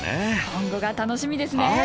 今後が楽しみですね。